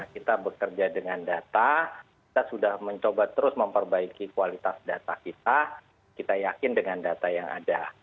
kita bekerja dengan data kita sudah mencoba terus memperbaiki kualitas data kita kita yakin dengan data yang ada